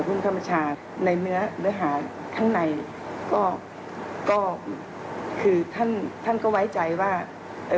คำประชาในเนื้อเนื้อหาข้างในก็คือท่านท่านก็ไว้ใจว่าเอ่อ